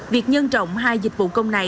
việc nhân trọng hai dịch vụ công này